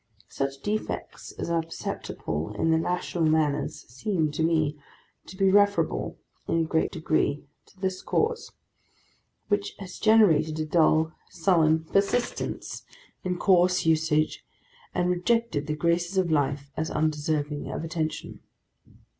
Such defects as are perceptible in the national manners, seem, to me, to be referable, in a great degree, to this cause: which has generated a dull, sullen persistence in coarse usages, and rejected the graces of life as undeserving of attention.